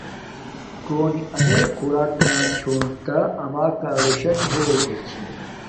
کونی امیں خوراک کھام چھوم ھاݵ اما کارو شاہ نی ہوگی چھی،